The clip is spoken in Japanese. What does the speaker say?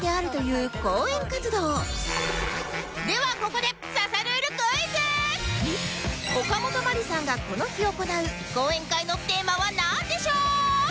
ここでおかもとまりさんがこの日行う講演会のテーマはなんでしょう？